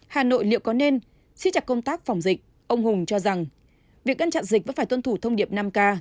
hà nội liệu có nên si chặt công tác phòng dịch ông hùng cho rằng việc ngăn chặn dịch vẫn phải tuân thủ thông điệp năm k